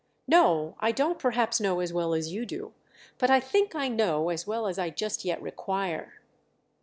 "No, I don't perhaps know as well as you do—but I think I know as well as I just yet require."